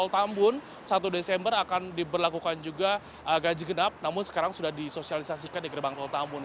pada tahun ini di tol tambun satu desember akan diberlakukan juga ganja genap namun sekarang sudah disosialisasikan di gerbang tol tambun